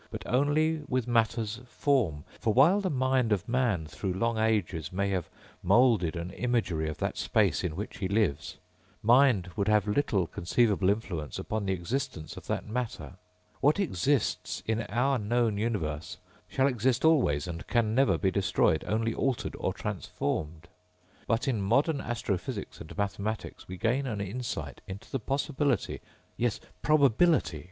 but only with matter's form. For while the mind of man through long ages may have moulded an imagery of that space in which he lives, mind would have little conceivable influence upon the existence of that matter. What exists in our known universe shall exist always and can never be destroyed, only altered or transformed._ _But in modern astrophysics and mathematics we gain an insight into the possibility ... yes probability